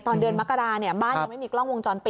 ตอนเดือนมกราบ้านยังไม่มีกล้องวงจรปิด